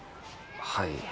はい。